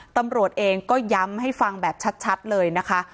ตำรวจเองก็ย้ำให้ฟังแบบชัดเลยนะคะ